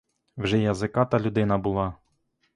Вже язиката людина була!